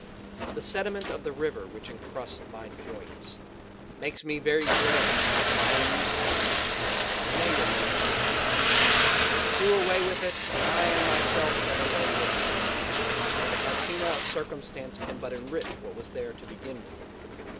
The sediment of the river which encrusts my joints, makes me very gray but I am used to it, it may rf main there; do away with it and I am myself done away with, for the patina of circumstance can but enrich what was there to begin with.